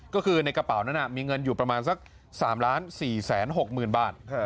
ก็คือในกระเป๋านั้นมีเงินอยู่ประมาณสัก๓๔๖๐๐๐บาท